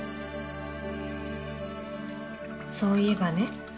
そういえばね